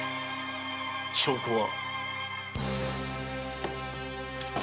証拠は。